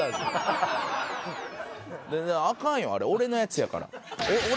全然アカンよあれ俺のやつやから。